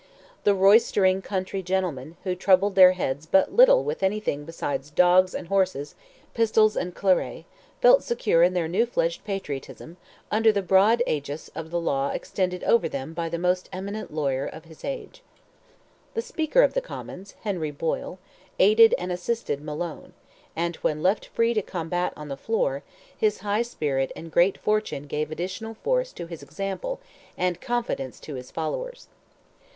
The roystering country gentlemen, who troubled their heads but little with anything besides dogs and horses, pistols and claret, felt secure in their new fledged patriotism, under the broad aegis of the law extended over them by the most eminent lawyer of his age. The Speaker of the Commons, Henry Boyle, aided and assisted Malone, and when left free to combat on the floor, his high spirit and great fortune gave additional force to his example and confidence to his followers.